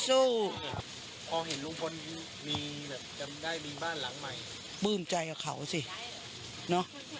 สู้พอเห็นลุงพลมีแบบจำได้มีบ้านหลังใหม่ปลื้มใจกับเขาสิเนอะ